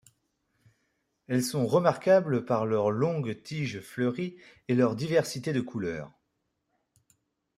Elles sont remarquables par leurs longues tiges fleuries et leur diversité de couleurs.